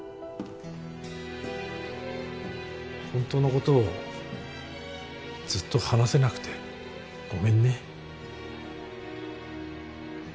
本当のことをずっと話せなくてごめんね。